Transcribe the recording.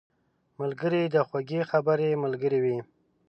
ملګری د خوږو خبرو ملګری وي